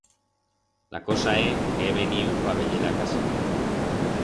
La cosa é que he veniu pa veyer la casa.